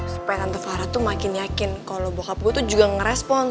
supaya tante farah tuh makin yakin kalau bokap gue tuh juga ngerespon